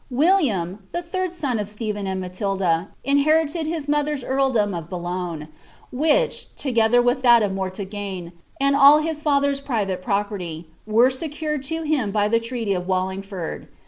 William, the third son of Stephen and Matilda, inherited hia mollMf'l earldom of Boulogne, which, together wiih that of Morlagne, and aO hii father's private property, were secured to him by the treaty of Walling ford.